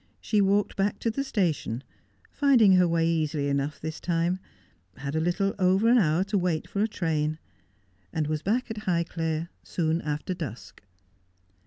She walked back to the station, finding her way easily enough this time, had a little over an hour to wait for a train, and was back at Hifihclere soon after dusk.